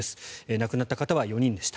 亡くなった方は４人でした。